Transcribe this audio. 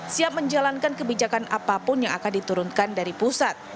siap menjalankan kebijakan apapun yang akan diturunkan dari pusat